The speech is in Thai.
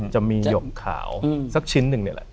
จะมีหยกขาวสักชิ้นหนึ่งนี่แหละ